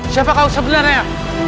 siapa kau sebenarnya